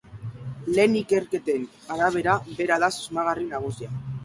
Lehen ikerketen arabera, bera da susmagarri nagusia.